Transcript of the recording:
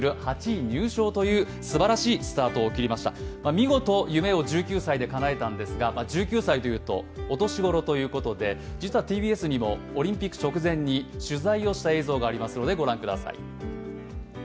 見事夢を１９歳でかなえたんですが、１９歳といえばお年頃ということでＴＢＳにもオリンピック直前に取材をした映像がありますのでご覧ください。